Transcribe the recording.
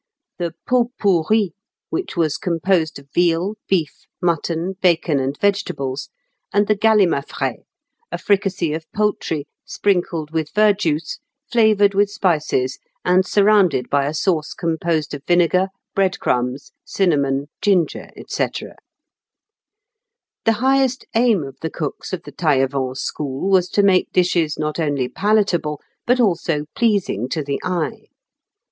The pot pourri, which was composed of veal, beef, mutton, bacon, and vegetables, and the galimafrée, a fricassee of poultry, sprinkled with verjuice, flavoured with spices, and surrounded by a sauce composed of vinegar, bread crumbs, cinnamon, ginger, &c. (Fig. 119). The highest aim of the cooks of the Taillevent school was to make dishes not only palatable, but also pleasing to the eye.